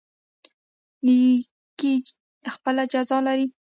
نیکي خپله جزا لري